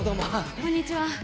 こんにちは。